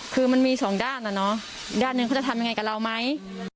คือมันมี๒ด้านด้านหนึ่งเขาจะทำยังไงกับเราไหม